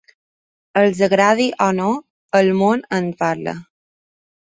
Els agradi o no, el món en parla.